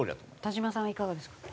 田嶋さんはいかがですか？